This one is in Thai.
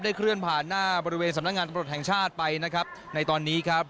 เคลื่อนผ่านหน้าบริเวณสำนักงานตำรวจแห่งชาติไปนะครับในตอนนี้ครับ